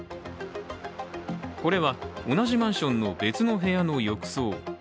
これは同じマンションの、別の部屋の浴槽。